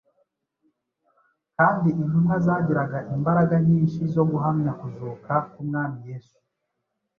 Kandi intumwa zagiraga imbaraga nyinshi zo guhamya kuzuka k’Umwami Yesu